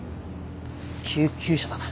救急車だな。